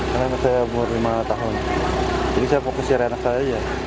karena saya umur lima tahun bisa fokusnya anak saya